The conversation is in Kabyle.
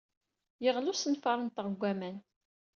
Yeɣli usenfar-nteɣ deg waman.